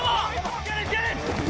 ・いけるいける！